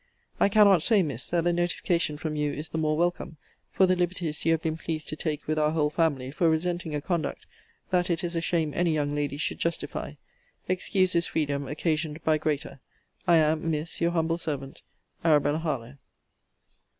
I cannot say, Miss, that the notification from you is the more welcome, for the liberties you have been pleased to take with our whole family for resenting a conduct, that it is a shame any young lady should justify. Excuse this freedom, occasioned by greater. I am, Miss, Your humble servant, ARABELLA HARLOWE.